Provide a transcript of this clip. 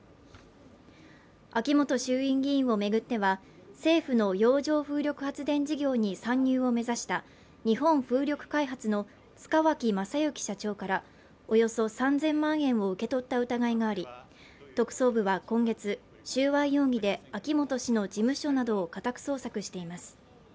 秋本衆院議員をめぐっては政府の洋上風力発電事業に参入を目指した日本風力開発の塚脇正幸社長からおよそ３０００万円を受け取った疑いがあり特捜部は今月収賄容疑で秋本氏の事務所などを家宅捜索しています